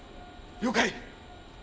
了解！